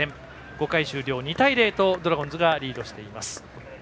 ５回終了２対０とドラゴンズがリードしています。